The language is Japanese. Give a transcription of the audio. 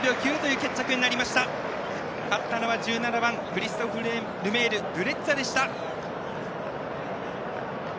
勝ったのは１７番クリストフ・ルメールドゥレッツァでした。